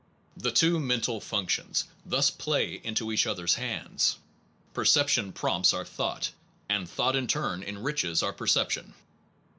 The two mental functions thus play into each other s hands. Perception prompts our thought, and thought in turn enriches our per ception.